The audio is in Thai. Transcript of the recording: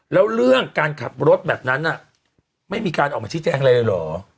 แล้วเรื่องการขับรถแบบนั้นไม่มีการออกมาชี้แจงอะไรเลยเหรอ